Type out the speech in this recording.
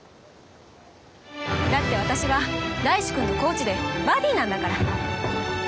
だって私は大志くんのコーチでバディなんだから！